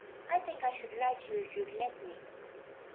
"I think I should like you if you'd let me."